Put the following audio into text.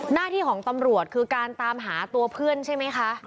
หน้าที่ของตำรวจคือการตามหาตัวเพื่อนใช่ไหมคะ